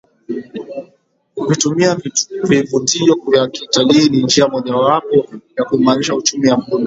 kuvitumia vivutio vya kitalii ni njia moja wapo ya kuimarisha uchumi wa Buluu